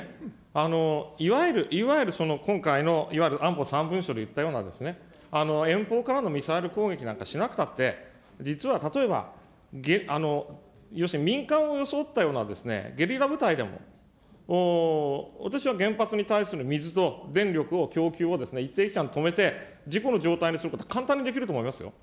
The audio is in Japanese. いわゆる今回の、いわゆる安保３文書で言ったような遠方からのミサイル攻撃なんかしなくたって、実は例えば要するに、民間を装ったようなゲリラ部隊でも、私は原発に対する水と電力を、供給を一定期間止めて、事故の状態にすること、簡単にできると思いますよ。